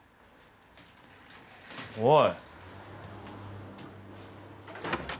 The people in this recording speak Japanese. おい。